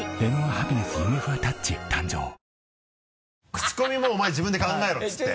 クチコミもお前自分で考えろって言って？